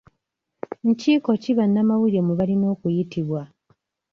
Nkiiko ki bannamawulire mwe balina okuyitibwa?